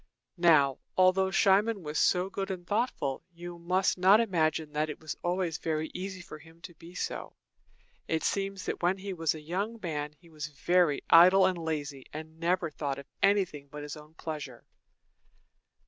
Now, although Cimon was so good and thoughtful, you must not imagine that it was always very easy for him to be so. It seems that when he was a young man he was very idle and lazy, and never thought of anything but his own pleasure.